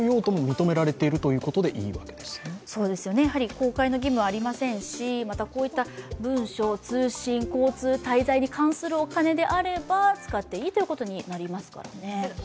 公開の義務はありませんし、こういった文書、通信、交通、滞在に関するお金であれば使っていいということになりますからね。